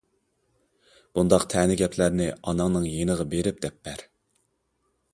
بۇنداق تەنە گەپلەرنى ئاناڭنىڭ يېنىغا بېرىپ دەپ بەر.